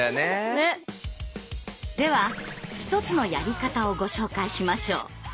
では一つのやり方をご紹介しましょう。